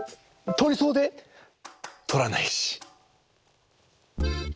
とりそうでとらないし。